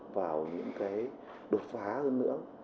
vào những cái đột phá hơn nữa